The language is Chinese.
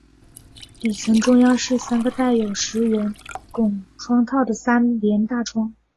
底层中央是三个带有石圆拱窗套的三联大窗。